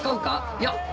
いや！